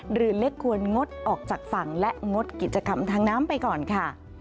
หรือเล็กควรงดออกจากฝั่งและงดกิจกรรมทางน้ำไปก่อนค่ะ